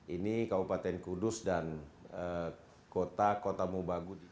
ini kabupaten kudus dan kota kota mubagudi